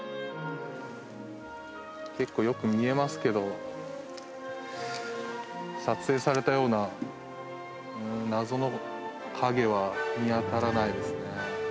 結構よく見えますけど、撮影されたような謎の影は見当たらないですね。